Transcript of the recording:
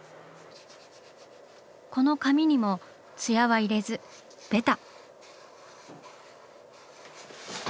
この髪にもツヤは入れずベタ。